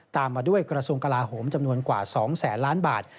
ตามมาด้วยกระทรวงกลาโหมจำนวนกว่า๒แสนล้านบาท